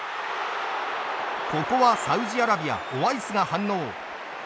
ここはサウジアラビアオワイスが反応。